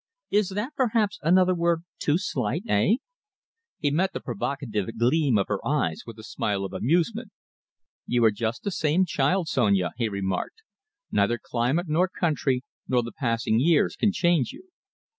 Is that, perhaps, another word too slight, eh?" He met the provocative gleam of her eyes with a smile of amusement. "You are just the same child, Sonia," he remarked. "Neither climate nor country, nor the few passing years, can change you."